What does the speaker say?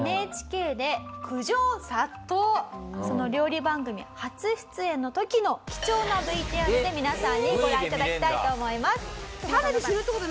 その料理番組初出演の時の貴重なＶＴＲで皆さんにご覧いただきたいと思います。